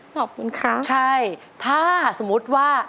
ขอบคุณค่ะใช่ถ้าสมมุติว่า